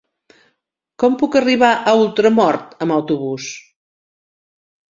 Com puc arribar a Ultramort amb autobús?